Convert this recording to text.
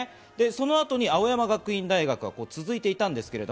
そのあと青山学院大学が続いていました。